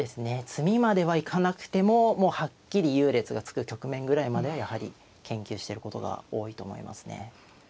詰みまではいかなくてももうはっきり優劣がつく局面ぐらいまではやはり研究していることが多いと思いますね。